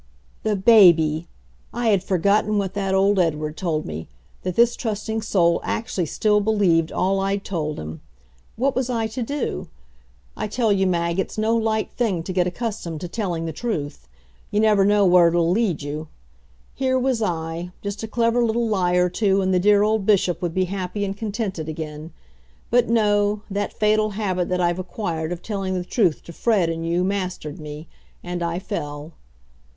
The baby! I had forgotten what that old Edward told me that this trusting soul actually still believed all I'd told him. What was I to do? I tell you, Mag, it's no light thing to get accustomed to telling the truth. You never know where it'll lead you. Here was I just a clever little lie or two and the dear old Bishop would be happy and contented again. But no; that fatal habit that I've acquired of telling the truth to Fred and you mastered me and I fell.